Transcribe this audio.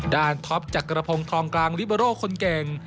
ท็อปจักรพงศ์ทองกลางลิเบอร์โร่คนเก่ง